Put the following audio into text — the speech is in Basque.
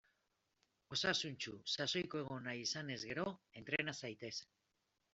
Osasuntsu, sasoiko egon nahi izanez gero; entrena zaitez!